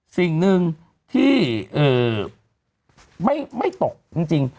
สิ่งหนึ่งที่ไม่ตกจริง